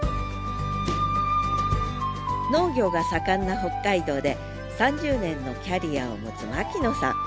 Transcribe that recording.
農業が盛んな北海道で３０年のキャリアを持つ牧野さん。